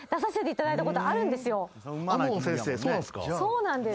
そうなんです。